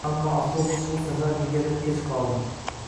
Ammo avtobus bu safar negadir kech qoldi.